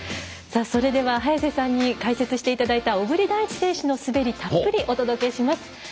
それでは早瀬さんに解説していただいた小栗大地選手の滑りたっぷりとお届けします。